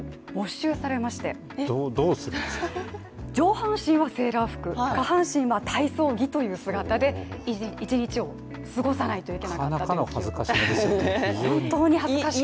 上半身はセーラー服、下半身は体操着という姿で一日を過ごさないといけなかったという。